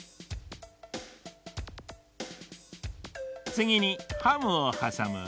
つぎにハムをはさむ。